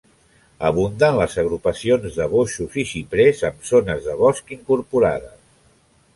Abunden les agrupacions de boixos i xiprers amb zones de bosc incorporades.